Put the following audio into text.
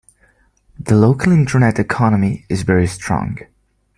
The local internet economy is very strong.